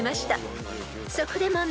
［そこで問題］